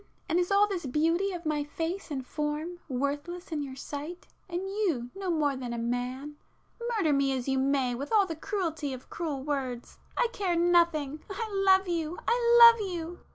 —and is all this beauty of my face and form worthless in your sight, and you no more than man? Murder me as you may with all the cruelty of cruel words, I care nothing!—I love you—love you!"